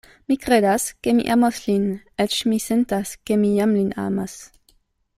Mi kredas, ke mi amos lin; eĉ mi sentas, ke mi jam lin amas.